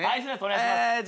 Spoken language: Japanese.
お願いします。